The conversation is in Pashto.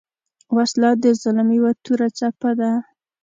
وسله د ظلم یو توره څپه ده